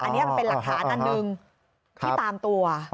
อันนี้มันเป็นหลักฐานอันหนึ่งที่ตามตัว